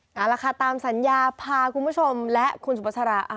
เอาละค่ะตามสัญญาพาคุณผู้ชมและคุณสุภาษา